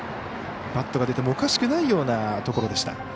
バットが出てもおかしくないようなところでした。